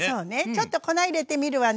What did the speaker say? ちょっと粉入れてみるわね。